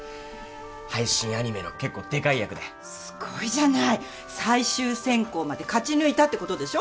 配信アニメの結構でかい役ですごいじゃない最終選考まで勝ち抜いたってことでしょ？